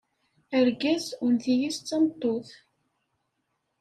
Argaz unti-is d tameṭṭut.